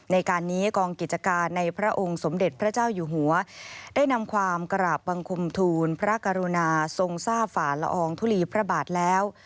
ในการนี้กองกิจการในพระองค์สมเด็จพระเจ้าอยู่หัวได้นำความกราบบังคมทูลพระกรุณาทรงทราบฝ่าละอองทุลีพระบาทแล้ว